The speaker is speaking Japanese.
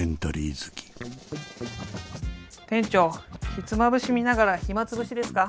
ひつまぶし見ながら暇つぶしですか？